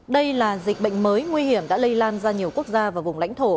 đây là dịch bệnh mới nguy hiểm đã lây lan ra nhiều quốc gia và vùng lãnh thổ